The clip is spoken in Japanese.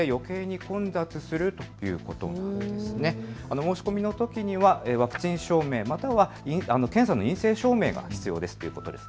申し込みのときにはワクチン証明または検査の陰性証明が必要ですということですね。